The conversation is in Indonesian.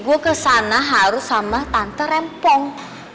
gue ke sana harus sama tante rempong